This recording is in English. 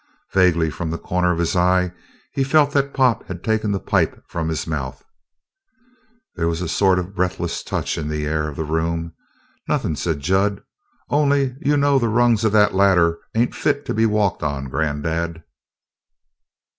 Vaguely, from the corner of his eye, he felt that Pop had taken the pipe from his mouth. There was a sort of breathless touch in the air of the room. "Nothin'," said Jud. "Only you know the rungs of that ladder ain't fit to be walked on, grandad!"